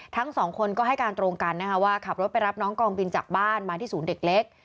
ทั้งสองคนก็ให้การตรงกันนะคะว่าขับรถไปรับน้องกองบินจากบ้านมาที่ศูนย์เด็กเล็ก